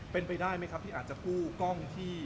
เป็นไปได้ไหมครับที่อาจจะกู้กล้องที่